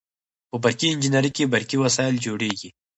په برقي انجنیری کې برقي وسایل جوړیږي.